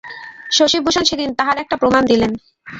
শশিভূষণ সেদিন তাহার একটা প্রমাণ দিলেন।